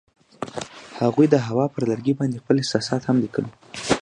هغوی د هوا پر لرګي باندې خپل احساسات هم لیکل.